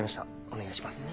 お願いします。